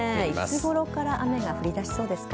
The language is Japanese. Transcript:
いつごろから雨が降り出しそうですか？